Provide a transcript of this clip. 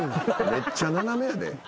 めっちゃ斜めやで。